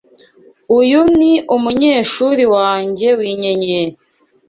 Uyu ni umunyeshuri wanjye winyenyeri.